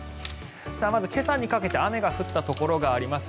まず、今朝にかけて雨が降ったところがあります。